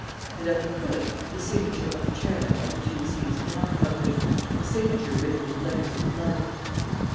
And, at the foot, the signature of the chairman of the Two Seas Canal Company, the signature written in letters of blood.